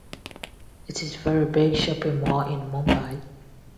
It is very big shopping mall in Mumbai.